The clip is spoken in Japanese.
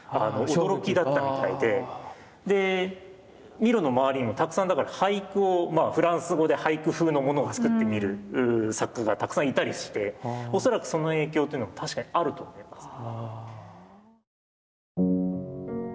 でミロの周りにもたくさんだから俳句をフランス語で俳句風のものを作ってみる作家がたくさんいたりして恐らくその影響というのも確かにあると思います。